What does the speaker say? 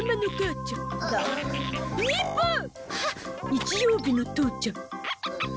日曜日の父ちゃん。